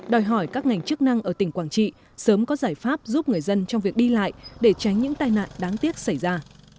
đòi hỏi các ngành chức năng ở tỉnh quảng trị sớm có giải pháp giúp người dân trong việc đi lại để tránh những tai nạn đáng tiếc xảy ra